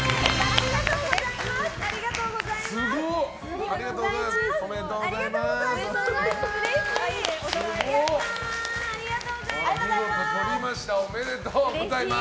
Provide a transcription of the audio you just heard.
ありがとうございます！